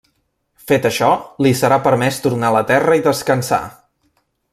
Fet això li serà permès tornar a la Terra i descansar.